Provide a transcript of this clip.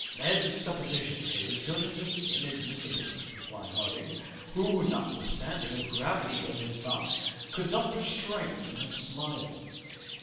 "Neb's supposition is certainly inadmissible," replied Harding, who, notwithstanding the gravity of his thoughts, could not restrain a smile.